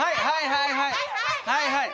はいはいはいはい！